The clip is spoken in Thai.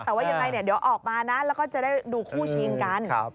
แต่ว่ายังไงเดี๋ยวออกมานะแล้วก็จะได้ดูคู่ชิงกัน